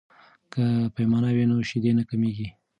که پیمانه وي نو شیدې نه کمیږي.